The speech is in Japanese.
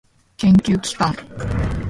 研究機関